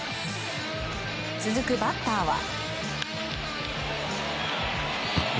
続くバッターは。